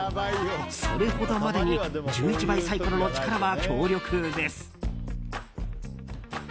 それほどまでに１１倍サイコロの力は強力です。